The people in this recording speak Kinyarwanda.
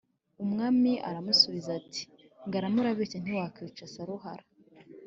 » Umwami aramusubiza ati «Ngarama urabeshya ntiwakwica Saruhara!